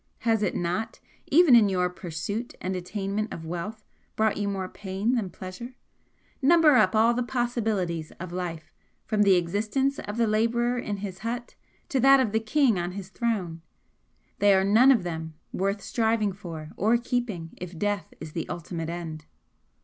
"Has it not, even in your pursuit and attainment of wealth, brought you more pain than pleasure? Number up all the possibilities of life, from the existence of the labourer in his hut to that of the king on his throne, they are none of them worth striving for or keeping if death is the ultimate end.